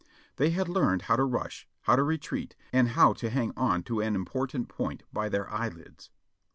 They had learned how to rush, how to retreat and how to hang on to an important point by their eyelids.